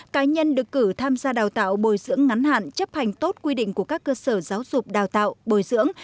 cá nhân được cử tham gia đào tạo bồi dưỡng ngắn hạn chấp hành tốt quy định của các cơ sở giáo dục đào tạo bồi dưỡng